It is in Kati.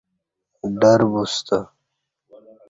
ڈربوستہ